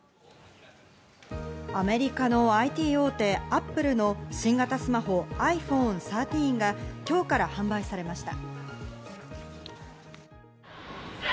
アメリカのＩＴ大手・アップルの新型スマホ、ｉＰｈｏｎｅ１３が今日から販売されました。